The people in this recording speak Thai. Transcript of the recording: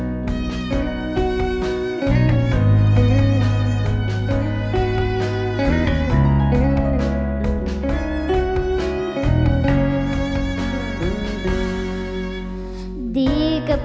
เพลงที่๒มาเลยครับ